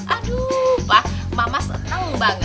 aduh pak mama senang banget